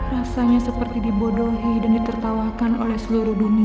rasanya seperti dibodohi dan ditertawakan oleh seluruh dunia